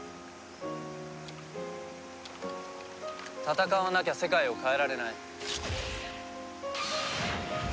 戦わなきゃ世界を変えられない。